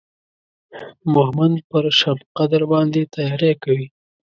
مهمند پر شبقدر باندې تیاری کوي.